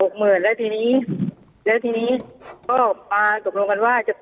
หมื่นแล้วทีนี้แล้วทีนี้ก็มาตกลงกันว่าจะ